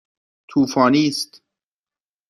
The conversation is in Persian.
طوفانی است.